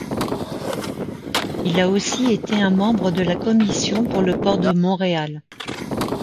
Il a aussi été un membre de la commission pour le port de Montréal.